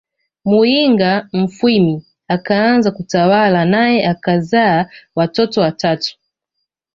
Muyinga Mfwimi akaanza kutawala nae akazaa watoto watatu